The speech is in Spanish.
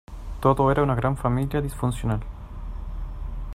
Todo era una gran familia disfuncional".